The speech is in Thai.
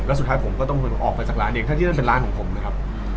แล้วสุดท้ายผมก็ต้องออกไปจากร้านเองถ้าที่นั่นเป็นร้านของผมนะครับ